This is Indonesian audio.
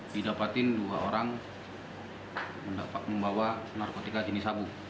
didapatin dua orang membawa narkotika jenis sabu